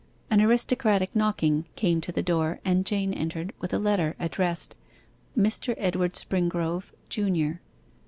An aristocratic knocking came to the door, and Jane entered with a letter, addressed 'MR. EDWARD SPRINGROVE, Junior.